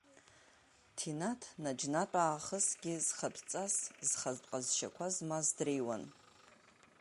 Ҭинаҭ наџьнатә аахысгьы зхатә ҵас, зхатә ҟазшьақәа змаз дреиуан.